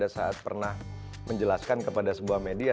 saat pernah menjelaskan kepada sebuah media